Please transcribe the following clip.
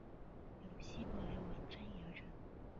由希伯来文翻译而成。